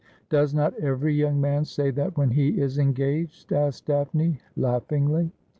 ' Does not every young man say that when he is engaged ?' asked Daphne laughingly.